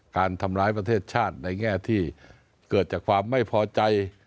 การทำร้ายประเทศชาติในแง่ที่เกิดจากความไม่พอใจ